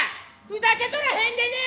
ふざけとらへんでね。